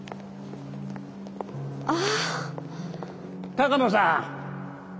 鷹野さん。